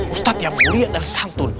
ustadz yang mulia adalah santun